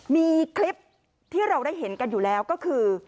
มีคลิปที่เราได้เห็นกันอยู่แล้วก็คือ